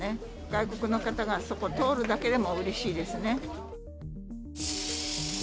外国の方がそこ通るだけでも、うれしいですね。